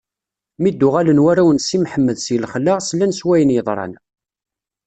Mi d-uɣalen warraw n Si Mḥemmed si lexla, slan s wayen yeḍran.